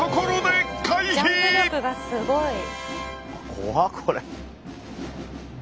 怖っこれ。